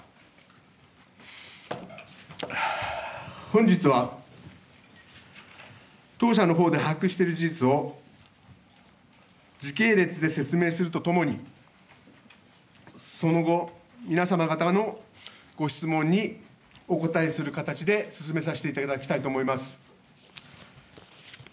本日は当社のほうで把握している事実を時系列で説明するとともにその後、皆様方のご質問にお答えする形で進めさせていただきたいと思います。